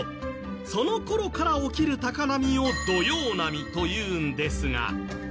その頃から起きる高波を土用波というんですが。